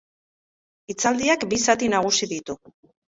Hitzaldiak bi zati nagusi ditu.